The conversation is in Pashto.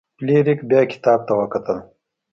فلیریک بیا کتاب ته وکتل.